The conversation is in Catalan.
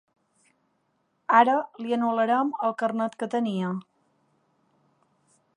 Ara li anul·larem el carnet que tenia.